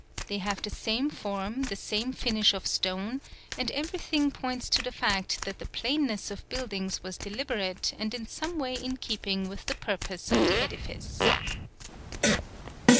They have the same form, the same finish of stone; and everything points to the fact that the plainness of buildings was deliberate and in some way in keeping with the purpose of the edifice.